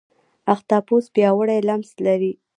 اختاپوس پیاوړی لمس لري.